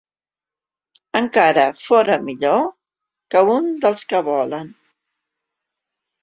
Encara fora millor que un dels que volen